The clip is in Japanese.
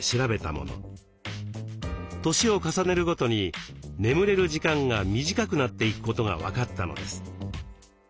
年を重ねるごとに眠れる時間が短くなっていくことが分かったのです。